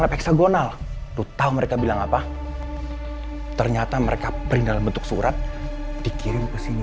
lab hexagonal lu tahu mereka bilang apa ternyata mereka beri dalam bentuk surat dikirim ke sini